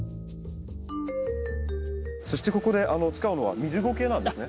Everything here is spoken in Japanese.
そしてここで使うのは水ゴケなんですね。